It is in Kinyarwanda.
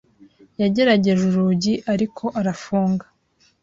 yagerageje urugi, ariko arafunga.